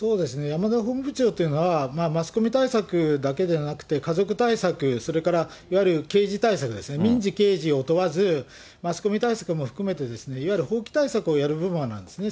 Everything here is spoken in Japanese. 山田法務部長というのは、マスコミ対策だけでなく、家族対策、それからいわゆる刑事対策ですね、民事、刑事を問わず、マスコミ対策も含めて、いわゆる法規対策をやる部門なんですね。